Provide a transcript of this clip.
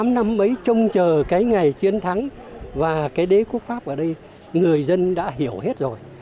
tám năm ấy trông chờ cái ngày chiến thắng và cái đế quốc pháp ở đây người dân đã hiểu hết rồi